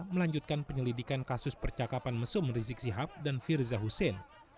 melanjutkan penyelidikan kasus percakapan mesum rizik sihab dan firza hussein